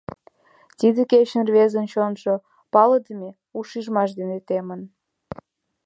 Тиде кечын рвезын чонжо палыдыме у шижмаш дене темын.